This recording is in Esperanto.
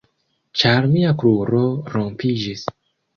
Ĉar mia kruro rompiĝis.